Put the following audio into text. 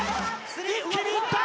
一気にいった！